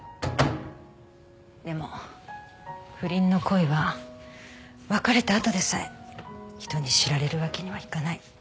でも不倫の恋は別れた後でさえ人に知られるわけにはいかない。